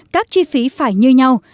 các chi phí phải như nhau